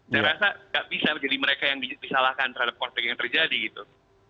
saya rasa nggak bisa menjadi mereka yang disalahkan terhadap konflik yang terjadi gitu